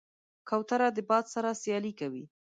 کوتره د باد سره سیالي کوي.